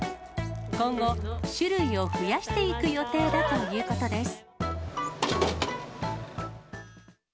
今後、種類を増やしていく予定だということです。